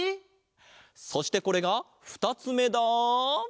そしてこれが２つめだ！